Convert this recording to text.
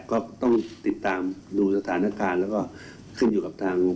ก็ต้องติดตามดูสถานการณ์แล้วก็ขึ้นอยู่กับทาง